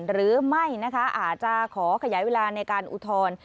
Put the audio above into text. หรือไม่นะคะอาจจะขอขยายเวลาในการอุทธรณ์